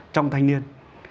trong thanh niên